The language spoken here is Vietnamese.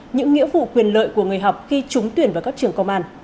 những nghĩa vụ quyền lợi của người học khi trúng tuyển vào các trường công an